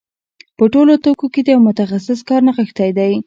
په ټولو توکو کې د یو متخصص کار نغښتی دی